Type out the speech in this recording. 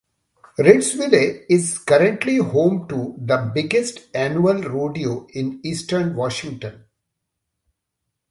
Ritzville is currently home to the biggest annual rodeo in eastern Washington.